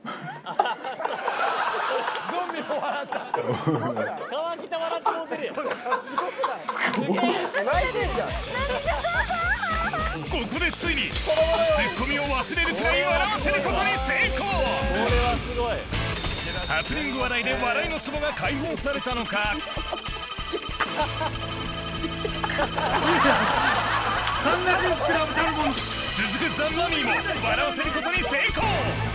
概ね概ねここでついにツッコミを忘れるくらい笑わせることに成功ハプニング笑いであつっあつっウィリアム半裸紳士クラブたるもの続くザ・マミィも笑わせることに成功